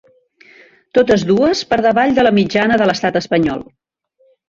Totes dues per davall de la mitjana de l’estat espanyol.